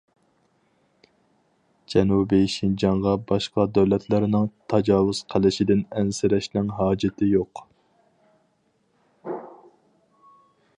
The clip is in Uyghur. جەنۇبىي شىنجاڭغا باشقا دۆلەتلەرنىڭ تاجاۋۇز قىلىشىدىن ئەنسىرەشنىڭ ھاجىتى يوق.